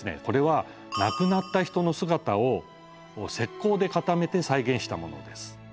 これは亡くなった人の姿を石膏で固めて再現したものです。